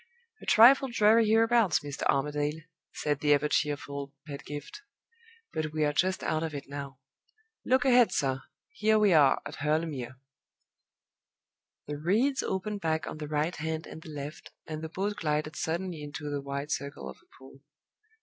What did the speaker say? "A trifle dreary hereabouts, Mr. Armadale," said the ever cheerful Pedgift. "But we are just out of it now. Look ahead, sir! Here we are at Hurle Mere." The reeds opened back on the right hand and the left, and the boat glided suddenly into the wide circle of a pool.